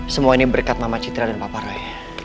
semua ini berkat mama citra dan papa roy